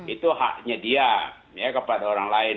itu haknya dia kepada orang lain